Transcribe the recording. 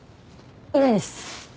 いないです。